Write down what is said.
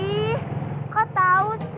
ih kok tau sih